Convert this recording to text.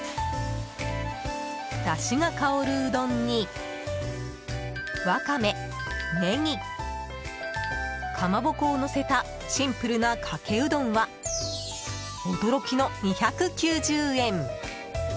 だしが香るうどんに、ワカメネギ、かまぼこをのせたシンプルなかけうどんは驚きの２９０円。